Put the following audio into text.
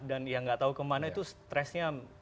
dan ya gak tau kemana itu stressnya